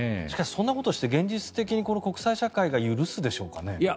しかし、そんなことをして現実的に国際社会が許しますかね。